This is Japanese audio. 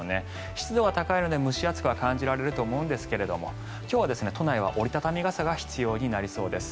湿度が高いので蒸し暑くは感じられると思うんですけども今日は都内は折り畳み傘が必要になりそうです。